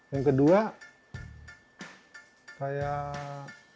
yang kedua kayak